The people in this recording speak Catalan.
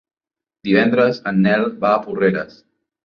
Divendres en Nel va a Porreres.